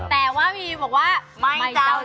แต่ว่าวีบอกว่าไม่เจ้า